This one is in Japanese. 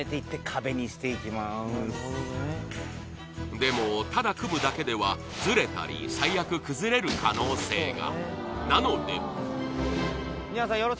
でも、ただ組むだけではずれたり最悪崩れる可能性が。